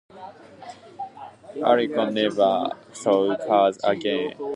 Alcyon never sold cars again.